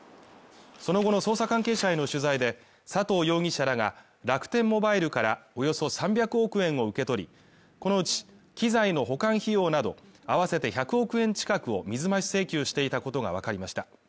その後の捜査関係者への取材で佐藤容疑者らが楽天モバイルからおよそ３００億円を受け取り、このうち機材の保管費用など合わせて１００億円近くを水増し請求していたことがわかりました。